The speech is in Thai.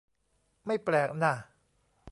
ไม่แปลกน่ะ